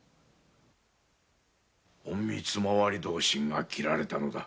隠密同心が切られたのだ。